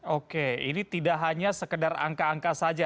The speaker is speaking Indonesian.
oke ini tidak hanya sekedar angka angka saja